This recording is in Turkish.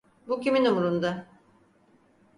Bu kimin umurunda?